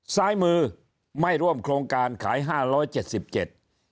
ซ้ายมือไม่ร่วมโครงการขาย๕๗๗บาท